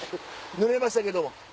ぬれましたけども。